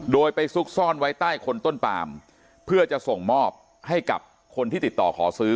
โดยไปซุกซ่อนไว้ใต้คนต้นปามเพื่อจะส่งมอบให้กับคนที่ติดต่อขอซื้อ